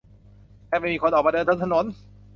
แทบไม่มีคนออกมาเดินบนถนน